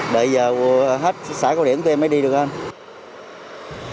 đợi giờ hết xả cao điểm tụi em mới đi được anh